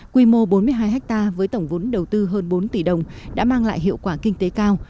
quy mô bốn mươi hai ha với tổng vốn đầu tư hơn bốn tỷ đồng đã mang lại hiệu quả kinh tế cao